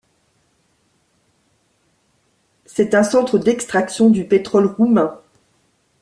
C'est un centre d'extraction du pétrole roumain.